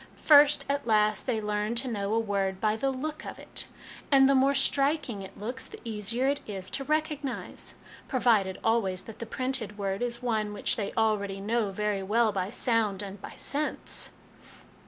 First, as last, they learn to know a word by the look of it, and the more striking it looks the easier it is to recognise ; provided always that the printed word is one which they already know very well by sound and by sense."